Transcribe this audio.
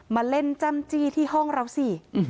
มาเล่นจ้ำจี้ที่ห้องเราสิ